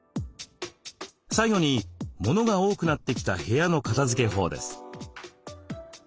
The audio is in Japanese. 最後に物が多くなってきた部屋の片づけ法です。